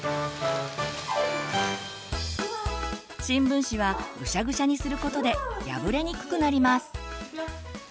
新聞紙はぐしゃぐしゃにすることで破れにくくなります。